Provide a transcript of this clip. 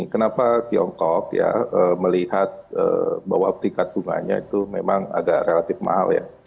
kenapa tiongkok ya melihat bahwa tingkat bunganya itu memang agak relatif mahal ya